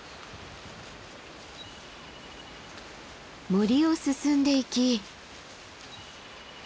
森を進んでいき。